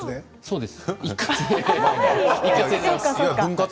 そうです。